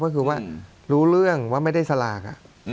ก็คือว่ารู้เรื่องว่าไม่ได้สลาก